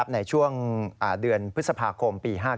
ในช่วงเดือนพฤษภาคมปี๕๙